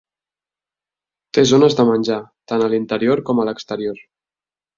Té zones de menjar, tant a l"interior com a l"exterior.